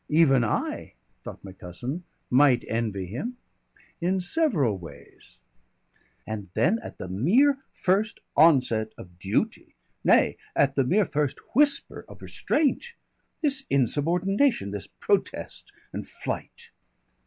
Even I," thought my cousin, "might envy him in several ways. And then, at the mere first onset of duty, nay! at the mere first whisper of restraint, this insubordination, this protest and flight!